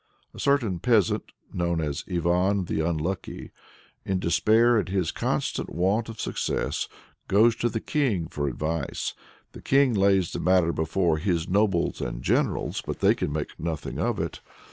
A certain peasant, known as Ivan the Unlucky, in despair at his constant want of success, goes to the king for advice. The king lays the matter before "his nobles and generals," but they can make nothing of it.